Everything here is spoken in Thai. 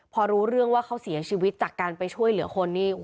พอรู้เรื่องว่าเขาเสียชีวิตจากการไปช่วยเหลือคนนี่